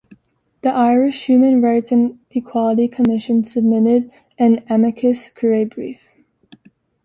The Irish Human Rights and Equality Commission submitted an amicus curiae brief.